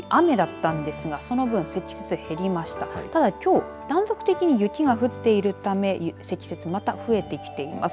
ただ、きょう、断続的に雪が降っているため積雪、また増えてきています。